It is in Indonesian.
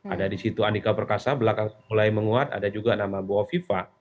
ada di situ andika perkasa belakang mulai menguat ada juga nama bu hovifah